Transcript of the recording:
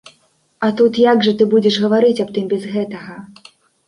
А тут, як жа ты будзеш гаварыць аб тым без гэтага?